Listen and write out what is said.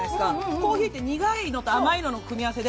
コーヒーって苦いのと甘いのの組み合わせで。